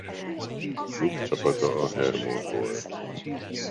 Klubcsapata a Hermod volt.